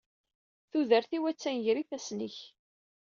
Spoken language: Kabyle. Tudert-iw attan gar ifassen-ik.